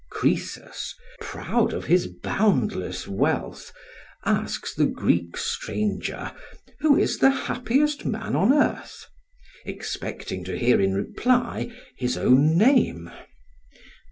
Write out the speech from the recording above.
Croesus, proud of his boundless wealth, asks the Greek stranger who is the happiest man on earth? expecting to hear in reply his own name.